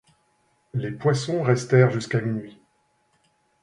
Les Poisson restèrent jusqu'à minuit.